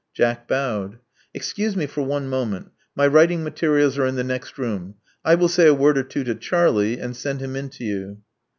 Jack bowed. "Excuse me iot one moment. My writing materials are in the next room. I will say a word or two to Charlie, and send him in to you."